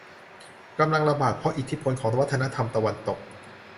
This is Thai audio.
กำลังระบาดเพราะอิทธิพลของวัฒนธรรมตะวันตก